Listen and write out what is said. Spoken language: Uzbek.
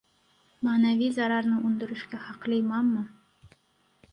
Ma`naviy zararni undirishga haqlimanmi?